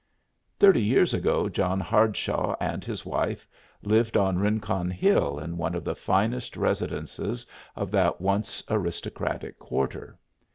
Thirty years ago John Hardshaw and his wife lived on Rincon Hill in one of the finest residences of that once aristocratic quarter.